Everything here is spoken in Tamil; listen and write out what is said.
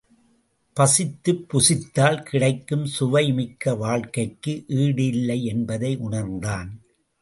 பசித்துப் புசித்– தால் கிடைக்கும் சுவை மிக்க வாழ்க்கைக்கு ஈடு இல்லை என்பதை உணர்ந்தான்.